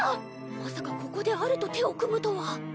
まさかここでアルと手を組むとは。